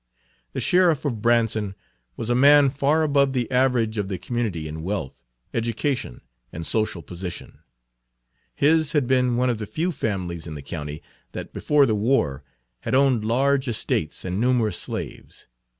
The sheriff of Branson was a man far above the average of the community in wealth, education, and social position. His had been one of the few families in the county that before the war had owned large estates and numerous slaves.